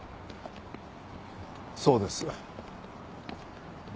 そうですよ。